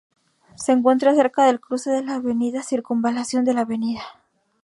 Se encuentra cerca del cruce de la Avenida Circunvalación con la Av.